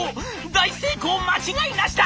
大成功間違いなしだ！」。